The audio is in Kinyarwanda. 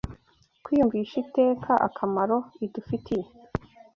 kwiyumvisha iteka akamaro idufitiye.